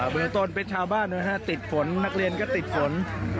มีต้นเป็นชาวบ้านติดฝนนักเรียนก็ติดฝน